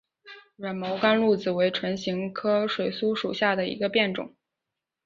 软毛甘露子为唇形科水苏属下的一个变种。